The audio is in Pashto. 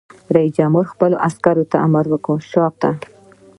رئیس جمهور خپلو عسکرو ته امر وکړ؛ شاته!